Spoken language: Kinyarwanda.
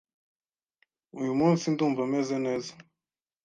Uyu munsi ndumva meze neza.